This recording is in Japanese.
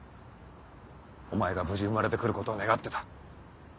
お前が無事生まれて来ることを願ってた。